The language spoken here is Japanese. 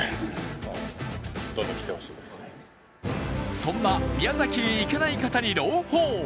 そんな宮崎へ行けない方に朗報。